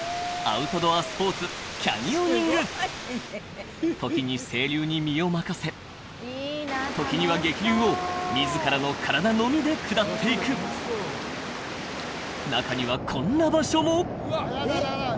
アウトドアスポーツキャニオニング時に清流に身を任せ時には激流を自らの体のみで下っていく中にはこんな場所もレッツゴー！